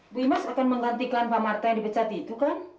ibu imas akan menggantikan pamarta yang dipecat itu kan